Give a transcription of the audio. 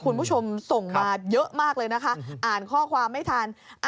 คุณผู้ชมส่งมาเยอะมากเลยนะคะอ่านข้อความไม่ทัน